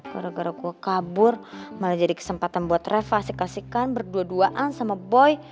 gara gara gue kabur malah jadi kesempatan buat revasi kasihkan berdua duaan sama boy